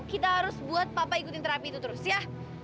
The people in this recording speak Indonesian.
kita harus buat papa ikutin terapi itu terus ya